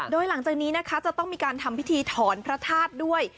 โดยหลังจากนี้นะคะจะต้องมีการทำพิธีถอนพระธาตุด้วย